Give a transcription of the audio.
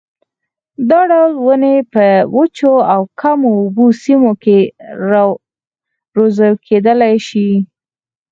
دا ډول ونې په وچو او کمو اوبو سیمو کې روزل کېدلای شي.